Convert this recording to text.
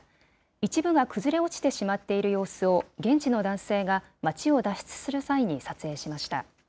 一部が崩れ落ちてしまっている様子を、現地の男性が町を脱出する際に撮影しました。